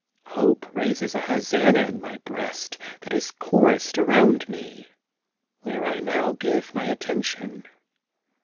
Hope raises a hosanna in my breast that is chorused around me, where I now give my attention.